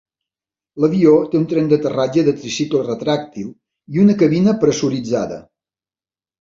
L'avió té un tren d'aterratge de tricicle retràctil i una cabina pressuritzada.